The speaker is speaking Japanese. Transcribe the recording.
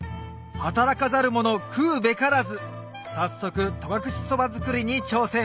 働かざる者食うべからず早速戸隠そば作りに挑戦